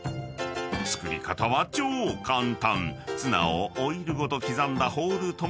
［作り方は超簡単！］